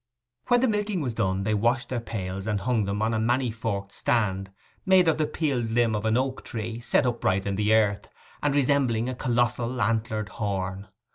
When the milking was done they washed their pails and hung them on a many forked stand made of the peeled limb of an oak tree, set upright in the earth, and resembling a colossal antlered horn.